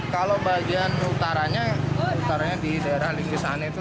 kalau bagian utaranya utaranya di daerah lingkisan itu